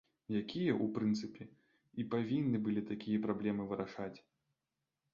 Якія, у прынцыпе, і павінны былі такія праблемы вырашаць.